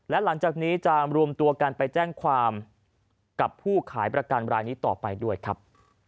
และหลังจากนี้จะรวมตัวกันไปแจ้งความกับผู้ขายประกันรายนี้ต่อไปด้วยครับ